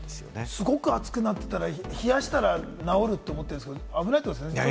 すごく熱くなってたら冷やしたら直ると思ってるんですけれども、危ないってことですね。